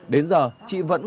đến giờ chị vẫn không tin